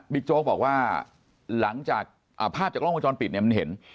บิ๊กโจ๊กบอกว่าหลังจากภาพจากล้องกระจอนปิดมันเห็น